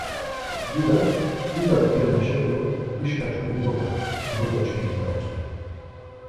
Didak bidat germaşa do dişka çkuni dop̌at e bozo çkimi ya utzu.